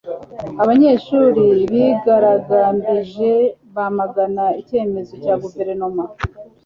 abanyeshuri bigaragambije bamagana icyemezo cya guverinoma